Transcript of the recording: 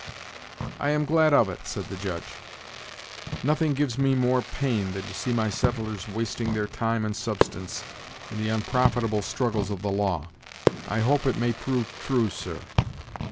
"I am glad of it," said the judge; "nothing gives me more pain than to see my settlers wasting their time and substance in the unprofitable struggles of the law. I hope it may prove true, sir."